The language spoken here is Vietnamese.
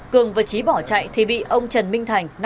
cường và trí bỏ chạy thì bị ông trần minh thành